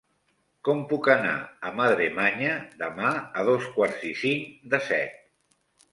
Com puc anar a Madremanya demà a dos quarts i cinc de set?